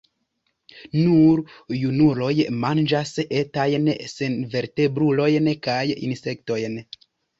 Nur junuloj manĝas etajn senvertebrulojn kaj insektojn.